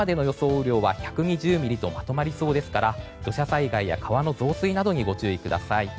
雨量は１２０ミリとまとまりそうですから土砂災害や川の増水などにご注意ください。